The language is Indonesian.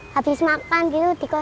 habis makan dihargai nyabu